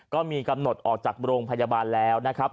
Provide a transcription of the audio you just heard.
ก็มีกำหนดออกจากโรงพยาบาลแล้วนะครับ